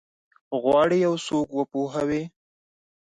غواړي یو څوک وپوهوي؟